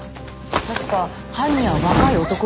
確か犯人は若い男よね。